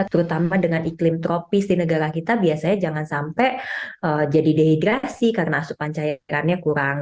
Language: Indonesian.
terutama dengan iklim tropis di negara kita biasanya jangan sampai jadi dehidrasi karena asupan cairannya kurang